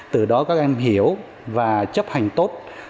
từ đó các em hiểu và chấp hành tốt